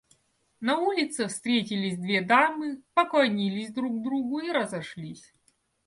На улице встретились две дамы, поклонились друг другу и разошлись.